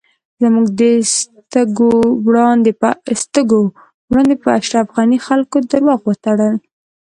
زموږ د سترږو وړاندی په اشرف غنی خلکو درواغ وتړل